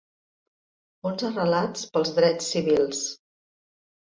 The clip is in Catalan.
Onze relats pels drets civils.